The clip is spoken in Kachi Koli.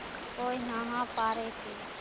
ڪونئين ۿانۿا پاريَ سي۔